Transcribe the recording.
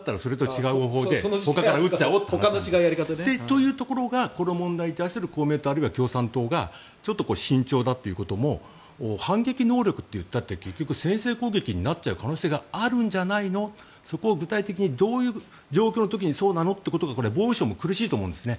そうすると撃っちゃおうとなるわけですがというところがこの問題の公明党、あるいは共産党がちょっと慎重だということの反撃能力だといったって結局先制攻撃になる可能性があるんじゃないのそこを具体的にどういう状況の時がそうなのということが防衛省も苦しいと思うんですね。